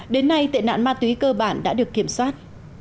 đến nay tệ nạn ma túy cơ bản đã được kiểm soát